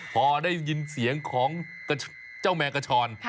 พอได้ยินเสียงของเจ้าแมงกระชอน